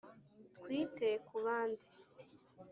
twite ku bandi